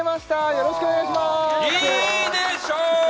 よろしくお願いします